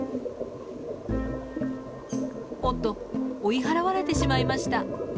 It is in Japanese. おっと追い払われてしまいました。